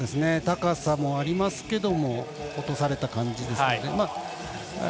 高さもありますけども落とされた感じですかね。